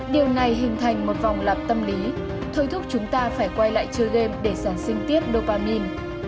điều này hình thành một vòng lặp tâm lý thôi thúc chúng ta phải quay lại chơi game để sản sinh tiếp dopamine